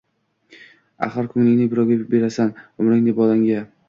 Axir, ko‘nglingni birovga berasan, umringni − bolangga